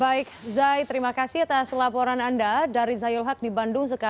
baik zai terima kasih atas laporan anda dari zayul haq di bandung